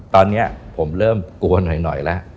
ตอนนี้ผมเริ่มกลัวหน่อยแล้ว